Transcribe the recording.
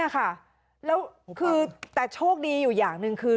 คือแต่โชคดีอย่างหนึ่งคือ